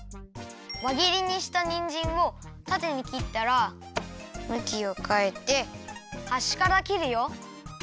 わぎりにしたにんじんをたてに切ったらむきをかえてはしから切るよ。